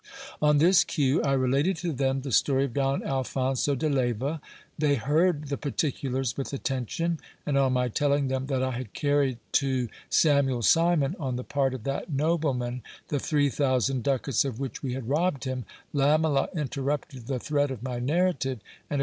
On this cue I related to them the story of Don Alphonso de Leyva. They heard the particulars with attention ; and on my telling them that I had carried to Samuel Simon, on the part of that nobleman, the three thousand ducats of which we had robbed him, Lamela interrupted the thread of my narrative, and r.